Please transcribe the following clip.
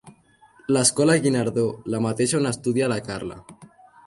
L'escola Guinardó, la mateixa on estudia la Carla.